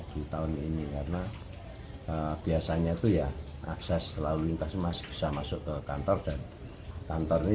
di tahun ini karena biasanya itu ya akses lalu lintas masih bisa masuk ke kantor dan kantor ini